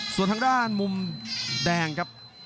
ส่วนทางด้านมุมแดงครับ